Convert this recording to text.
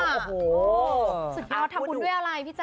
อ๋อสุขีภัทรภูมิด้วยอะไรพี่แจ้